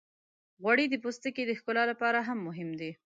غوړې د پوستکي د ښکلا لپاره هم مهمې دي.